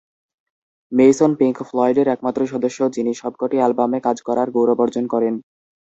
Mason Pink ফ্লয়েডের একমাত্র সদস্য যিনি সবকটি অ্যালবামে কাজ করার গৌরব অর্জন করেন।